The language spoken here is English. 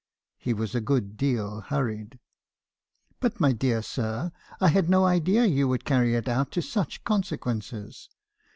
He was a good deal hurried. " 'But, my dear sir, I had no idea you would carry it out to such consequences.